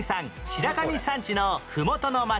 白神山地のふもとの町